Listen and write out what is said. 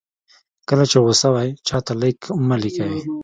کله چې غوسه وئ چاته لیک مه لیکئ.